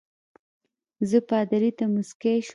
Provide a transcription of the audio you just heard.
زه پادري ته مسکی شوم.